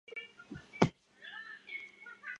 早田氏爵床为爵床科爵床属下的一个变种。